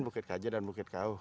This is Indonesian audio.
bukit kaja dan bukit kau